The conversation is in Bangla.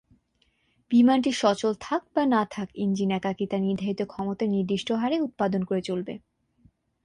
বিমানটি সচল থাক বা না থাক ইঞ্জিন একাকী তার নির্ধারিত ক্ষমতা নির্দিষ্ট হারে উৎপাদন করে চলবে।